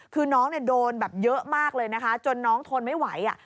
คือน้องเนี่ยโดนแบบเยอะมากเลยนะคะจนน้องทนไม่ไหว